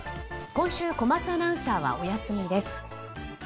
今週小松アナウンサーはお休みです。